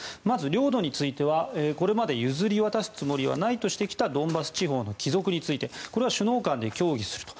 領土についてはこれまで譲り渡すつもりはないとしてきたドンバス地方の帰属についてこれは首脳間で協議すると。